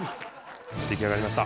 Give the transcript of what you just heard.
出来上がりました。